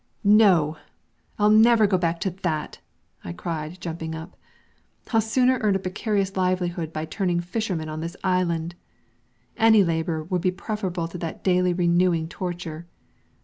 "No! I'll never go back to that!" I cried, jumping up. "I'll sooner earn a precarious livelihood by turning fisherman in this island! Any labor will be preferable to that daily renewing torture."